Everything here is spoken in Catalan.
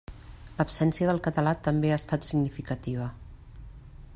L'absència del català també ha estat significativa.